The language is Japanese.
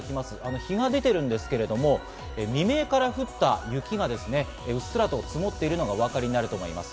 日が出ているんですけど、未明から降った雪がうっすらと積もっているのがお分かりいただけると思います。